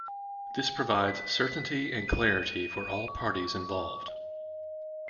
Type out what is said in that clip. This provides certainty and clarity for all parties involved.